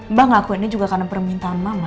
mbak ngakuinnya juga karena permintaan mama